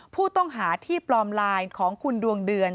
ผู้ต้องหาที่ปลอมไลน์ของคุณดวงเดือน